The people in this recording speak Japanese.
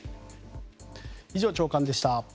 以上、朝刊でした。